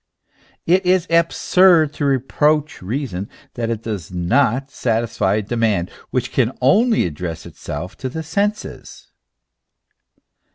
It is absurd to reproach reason, that it does not satisfy a demand which can only address itself to the senses.